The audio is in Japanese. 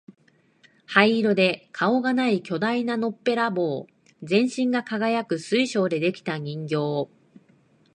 灰色で顔がない巨大なのっぺらぼう、全身が輝く水晶で出来た人形、